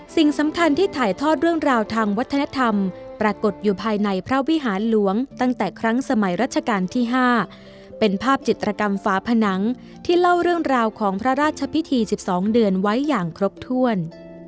สิ่งสำคัญที่ถ่ายทอดเรื่องราวทางวัฒนธรรมปรากฏอยู่ภายในพระวิหารหลวงตั้งแต่ครั้งสมัยรัชกาลที่๕เป็นภาพจิตรกรรมฝาผนังที่เล่าเรื่องราวของพระราชพิธี๑๒เดือนไว้อย่างครบถ้วน